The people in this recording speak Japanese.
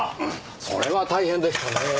それは大変でしたねぇ。